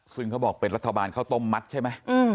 ซึ่งเขาบอกเป็นรัฐบาลข้าวต้มมัดใช่ไหม